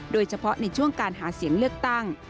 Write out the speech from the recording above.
โดยเฉพาะในช่วงการหาเสียงเลือกตั้ง